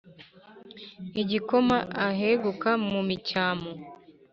Igakoma aheguka mu micyamu,